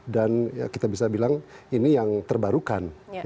dan kita bisa bilang ini yang terbarukan